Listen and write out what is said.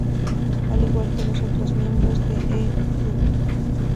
Al igual que los otros miembros de "E. subg.